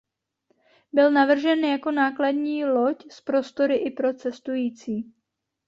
Byl navržen jako nákladní loď s prostory i pro cestující.